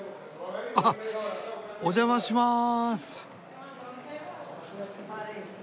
あはっお邪魔します。